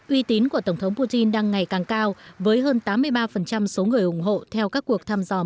uy tín của tổng thống putin đang ngày càng cao với hơn tám mươi ba số người ủng hộ